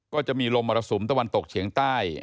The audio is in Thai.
ก็จะมีลมมรสุมตะวันตกเฉียงใต้